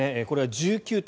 これは１９．５％。